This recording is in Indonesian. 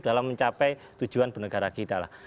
dalam mencapai tujuan penegara kita